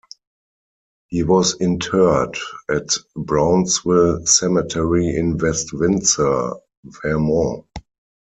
He was interred at Brownsville Cemetery in West Windsor, Vermont.